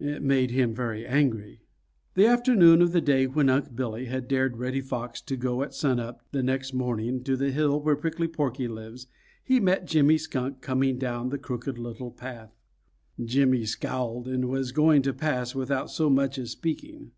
It made him very angry. The afternoon of the day when Unc' Billy had dared Reddy Fox to go at sun up the next morning to the hill where Prickly Porky lives he met Jimmy Skunk coming down the Crooked Little Path. Jimmy scowled and was going to pass without so much as speaking.